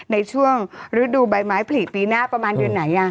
ในช่วงฤดูใบไม้ผลิปีหน้าประมาณเดือนไหน